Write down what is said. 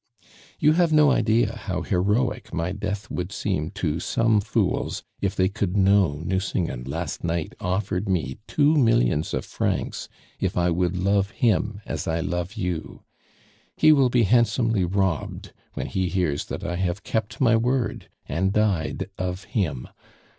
"You have no idea how heroic my death would seem to some fools if they could know Nucingen last night offered me two millions of francs if I would love him as I love you. He will be handsomely robbed when he hears that I have kept my word and died of him.